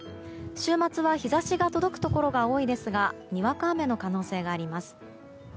週末は日差しが届くところが多いですがにわか雨の可能性があります。